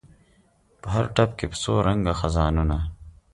په هر ټپ کې په څو رنګه خزانونه